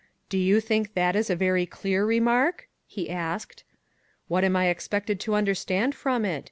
" Do you think that is a very clear remark? " he asked. " What am I expected to understand from it?